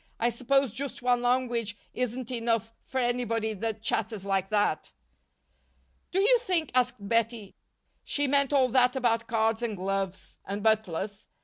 "I suppose just one language isn't enough for anybody that chatters like that." "Do you think," asked Bettie, "she meant all that about cards and gloves and butlers?